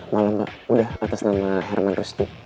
malam mbak udah atas nama herman rusdi